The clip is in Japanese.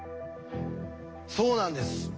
そうなんです。